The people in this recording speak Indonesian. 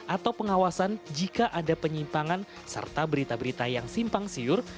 atau pengawasan jika ada penyimpangan serta berita berita yang simpang siur